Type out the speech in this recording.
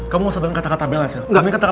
kamu gausah denger kata kata bella sel